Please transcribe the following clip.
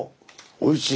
おいしい。